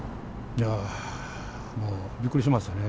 もう、びっくりしましたね。